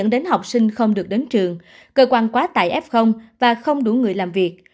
đến học sinh không được đến trường cơ quan quá tài f và không đủ người làm việc